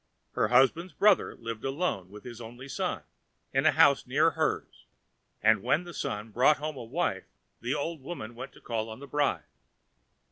Her husband's brother lived alone with his only son, in a house near hers, and when the son brought home a wife the old woman went to call on the bride.